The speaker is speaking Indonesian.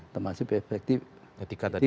termasuk perspektif ketika tadi